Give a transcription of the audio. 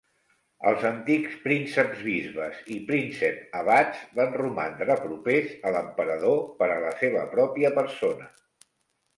Els antics prínceps-bisbes i príncep-abats van romandre propers a l'emperador per a la seva pròpia persona.